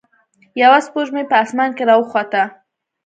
یوه سپوږمۍ په اسمان کې راوخته.